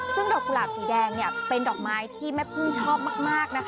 ซึ่งดอกกุหลาบสีแดงเป็นดอกไม้ที่แม่พึ่งชอบมากนะคะ